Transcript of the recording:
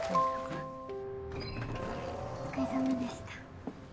お疲れ様でした。